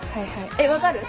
えっ分かる？